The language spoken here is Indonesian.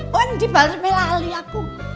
waduh bales melali aku